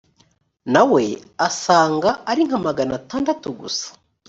na we asanga ari nka magana atandatu gusa